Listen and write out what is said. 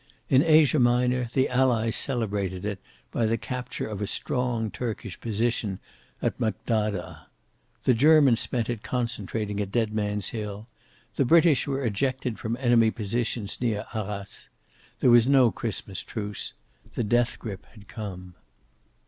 In Asia Minor the Allies celebrated it by the capture of a strong Turkish position at Maghdadah. The Germans spent it concentrating at Dead Man's Hill; the British were ejected from enemy positions near Arras. There was no Christmas truce. The death grip had come.